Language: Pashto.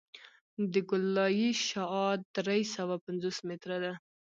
د ګولایي شعاع درې سوه پنځوس متره ده